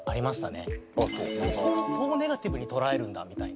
そこをそうネガティブに捉えるんだみたいな。